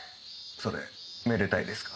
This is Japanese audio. それめでたいですか？